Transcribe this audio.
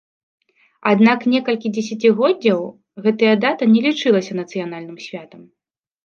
Аднак некалькі дзесяцігоддзяў гэтая дата не лічылася нацыянальным святам.